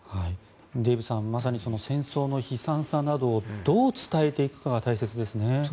デーブさんまさに戦争の悲惨さなどをどう伝えていくかが大切ですね。